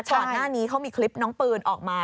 ก่อนหน้านี้เขามีคลิปน้องปืนออกมา